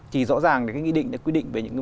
chỉ rõ ràng cái nghị định cái quy định về những